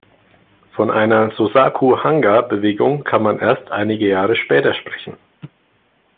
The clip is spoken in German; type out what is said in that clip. Von einer Sōsaku-hanga-Bewegung kann man erst einige Jahre später sprechen.